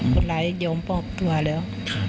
คนร้ายยอมมอบตัวแล้ว